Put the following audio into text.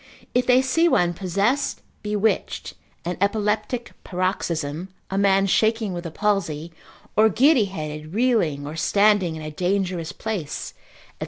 If they see one possessed, bewitched, an epileptic paroxysm, a man shaking with the palsy, or giddy headed, reeling or standing in a dangerous place, &c.